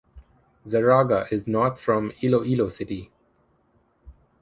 Zarraga is north from Iloilo City.